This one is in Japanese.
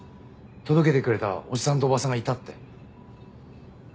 届けてくれたおじさんとおばさんがいたって。